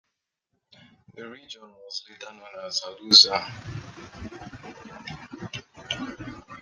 The region was later known as Haluza.